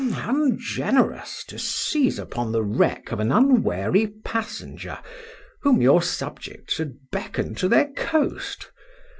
—Ungenerous! to seize upon the wreck of an unwary passenger, whom your subjects had beckoned to their coast!